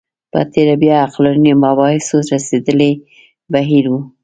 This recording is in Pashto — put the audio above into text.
په تېره بیا عقلاني مباحثو رسېدلی بهیر و